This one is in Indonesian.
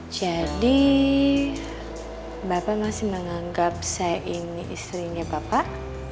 jadi bapak masih menganggap saya ini istrinya bapak